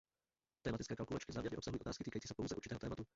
Tematické kalkulačky záměrně obsahují otázky týkající se pouze určitého tématu.